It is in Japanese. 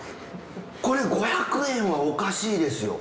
これ５００円はおかしいですよ。